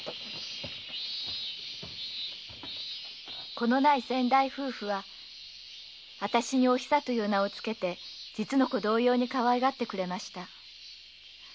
子のない先代夫婦は私に“お久”という名を付けて実の子同様にかわいがってくれました。